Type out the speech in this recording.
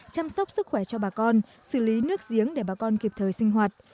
chăm sóc sức khỏe cho bà con xử lý nước giếng để bà con kịp thời sinh hoạt